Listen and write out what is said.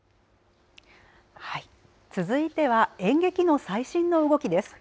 はい、続いては演劇の最新の動きです。